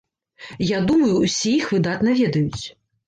Я думаю усе іх выдатна ведаюць.